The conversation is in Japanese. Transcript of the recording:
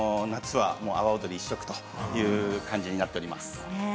夏は阿波おどり一色という感じになっています。